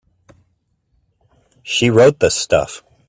She wrote the stuff.